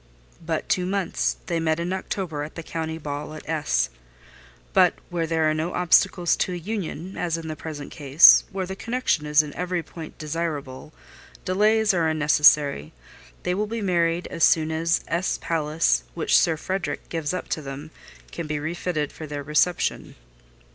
"But two months: they met in October at the county ball at S——. But where there are no obstacles to a union, as in the present case, where the connection is in every point desirable, delays are unnecessary: they will be married as soon as S—— Place, which Sir Frederic gives up to them, can be refitted for their reception."